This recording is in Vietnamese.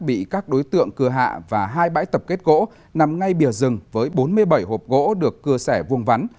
bị các đối tượng cưa hạ và hai bãi tập kết gỗ nằm ngay bìa rừng với bốn mươi bảy hộp gỗ được cưa sẻ vuông vắn